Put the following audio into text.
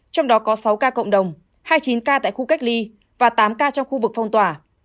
trong đó có sáu ca cộng đồng hai mươi chín ca tại khu cách ly và tám ca trong khu vực phong tỏa